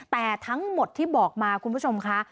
แต่ทั้งหมดที่บอกมาคุณผู้ชมค่ะ